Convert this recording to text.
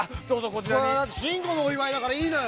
信五のお祝いだからいいのよ。